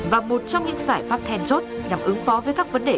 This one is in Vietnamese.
và một trong những giải pháp thèn chốt nhằm ứng phó với các vấn đề